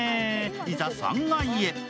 いざ、３階へ。